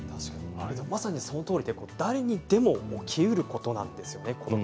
まさに、そのとおりで誰にでも起きうることなんですね。